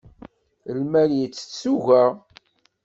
Lmal yettett tuga.